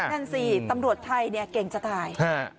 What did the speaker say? นั่นสิตำรวจไทยเนี่ยเก่งจะถ่าย